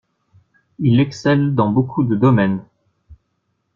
Il excelle dans beaucoup de domaines.